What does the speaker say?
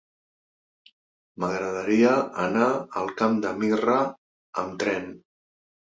M'agradaria anar al Camp de Mirra amb tren.